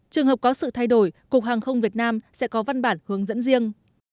trường hợp có sự thay đổi cục hàng không việt nam sẽ có văn bản hướng dẫn riêng